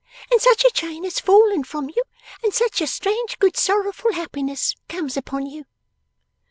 And such a chain has fallen from you, and such a strange good sorrowful happiness comes upon you!